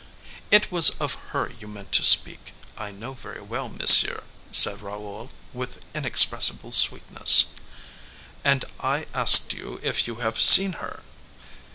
"It was of her you meant to speak, I know very well, monsieur," said Raoul, with inexpressible sweetness. "And I asked you if you have seen her."